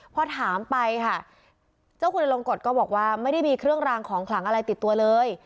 พอถามไปค่ะเจ้าคุณลงกฎก็บอกว่าไม่ได้มีเครื่องรางของขลังอะไรติดตัวเลย